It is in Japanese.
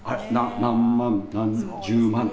何万、何十万？